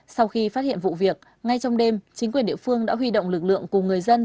sau khi phát hiện vụ việc ngay trong đêm chính quyền địa phương đã huy động lực lượng cùng người dân